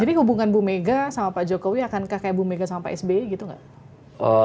jadi hubungan bu megang sama pak jokowi akan kaya bu megang sama pak sby gitu gak